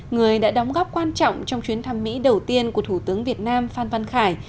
người đã đóng góp quan trọng trong chuyến thăm mỹ đầu tiên của thủ tướng việt nam phan văn khải